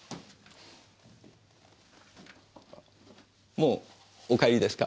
もうお帰りですか？